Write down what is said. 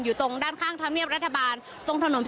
อยู่ตรงด้านข้างท่านเนียบรัฐบาลตรงถนนพิศนโลกค่ะ